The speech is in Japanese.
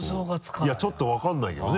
いやちょっと分からないけどね。